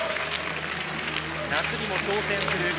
夏にも挑戦する。